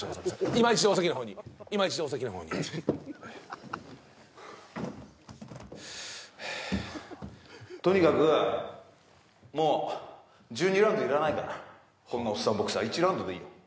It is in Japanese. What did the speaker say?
今一度お席の方に今一度お席の方にとにかくもう１２ラウンドいらないからこんなおっさんボクサー１ラウンドでいいよ